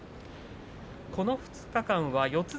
この２日間は四つ